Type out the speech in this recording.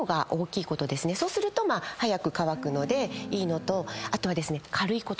そうすると早く乾くのでいいのとあとはですね。